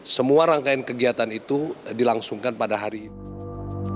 semua rangkaian kegiatan itu dilangsungkan pada hari ini